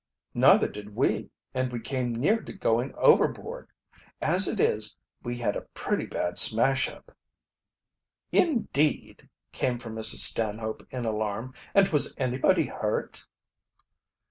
"Neither did we, and we came near to going overboard. As it is, we had a pretty bad smash up!" "Indeed!" came from Mrs. Stanhope, in alarm. "And was anybody hurt?"